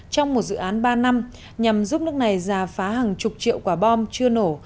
trong một dự án ba năm nhằm giúp nước này giả phá hàng chục triệu quả bom chưa nổ